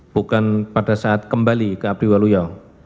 bukan pada saat kembali ke abdi waluyo